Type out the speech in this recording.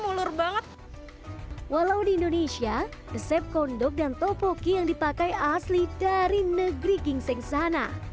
mulur banget walau di indonesia resep kondok dan topoki yang dipakai asli dari negeri gingseng sana